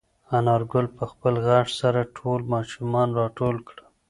انارګل په خپل غږ سره ټول ماشومان راټول کړل.